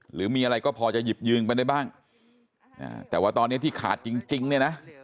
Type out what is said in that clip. หรือมีอะไรก็พอจะหยิบยืมไปได้บ้างแต่ว่าตอนนี้ที่ขาดจริงเนี่ยนะ